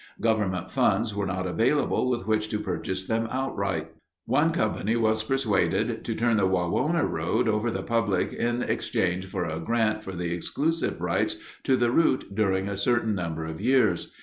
Government funds were not available with which to purchase them outright. One company was persuaded to turn the Wawona Road over the public in exchange for a grant for the exclusive rights to the route during a certain number of years.